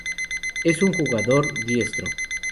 Es un jugador diestro.